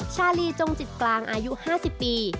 ชาลีจงจิตกลางอายุ๕๐ปี